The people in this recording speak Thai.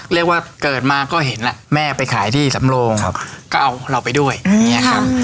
เรียกว่าเกิดมาก็เห็นแม่ไปขายที่สำโลงก็เอาเราไปด้วยอย่างนี้ครับ